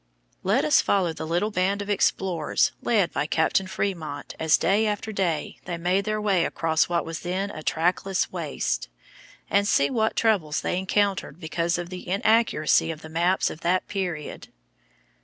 Let us follow the little band of explorers led by Captain Frémont as day after day they made their way across what was then a trackless waste, and see what troubles they encountered because of the inaccuracy of the maps of that period.